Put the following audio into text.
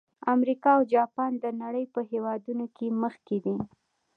امریکا او جاپان د نړۍ په هېوادونو کې مخکې دي.